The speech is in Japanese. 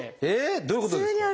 どういうことですか？